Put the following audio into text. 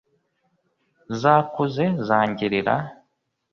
zakuze zangirira.